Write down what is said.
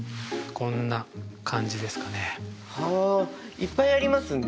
いっぱいありますね。